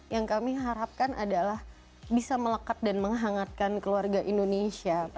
yang kami harapkan adalah bisa melekat dan menghangatkan keluarga indonesia